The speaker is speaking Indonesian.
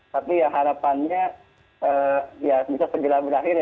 tapi harapannya bisa sejelang berakhir